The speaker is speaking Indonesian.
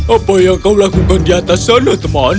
apa yang kau lakukan di atas sana teman